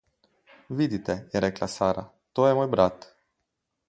»Vidite,« je rekla Sara, »to je moj brat.«